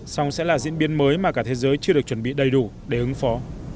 song sẽ là diễn biến mới mà cả thế giới chưa được chuẩn bị đầy đủ để ứng phó